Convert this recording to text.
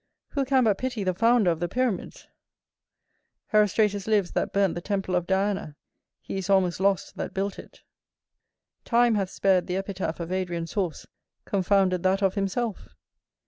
Who can but pity the founder of the pyramids? Herostratus lives that burnt the temple of Diana, he is almost lost that built it. Time hath spared the epitaph of Adrian's horse, confounded that of himself.